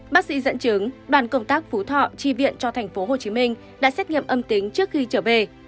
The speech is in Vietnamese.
bác sĩ dẫn chứng đoàn công tác phú thọ tri viện cho thành phố hồ chí minh đã xét nghiệm âm tính trước khi trở về